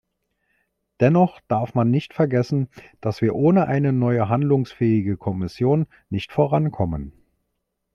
Dennoch darf man nicht vergessen, dass wir ohne eine neue handlungsfähige Kommission nicht vorankommen.